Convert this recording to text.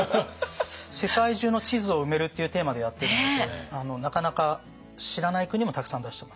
「世界中の地図を埋める」っていうテーマでやってるのでなかなか知らない国もたくさん出してますね。